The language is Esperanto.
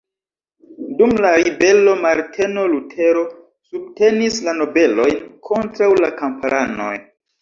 Dum la ribelo Marteno Lutero subtenis la nobelojn kontraŭ la kamparanoj.